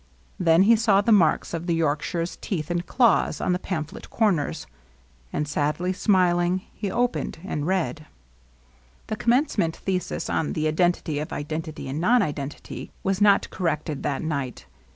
Then he saw the marks of the York shire's teeth and claws on the pamphlet comers, and, sadly smiling, he opened and read. The Commencement thesis on The Identity of Identity and Non Identity was not corrected that night.